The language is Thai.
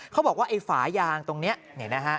เขาบอกว่าไอ้ฝายางตรงนี้เนี่ยนะฮะ